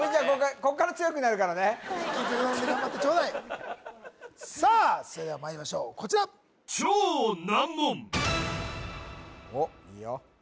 ここから強くなるからね頑張ってちょうだいさあそれではまいりましょうこちらおっいいよ